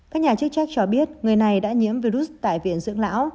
các nhà chức trách cho biết người này đã nhiễm virus tại viện dưỡng lão